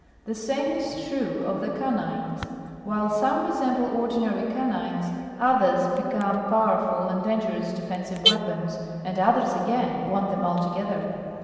The same is true of the canines ; while some resemble ordinary canines, others be come powerful and dangerous defensive weapons, and others again want them altogether.